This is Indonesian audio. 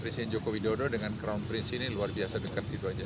presiden joko widodo dengan crown prince ini luar biasa dekat gitu aja